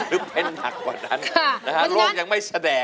เพ้นหนักกว่านั้นโลกยังไม่แสดง